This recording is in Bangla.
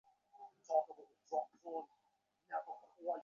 একটি আসন্নপ্রসবা সিংহী একবার শিকার-অন্বেষণে বাহির হইয়াছিল।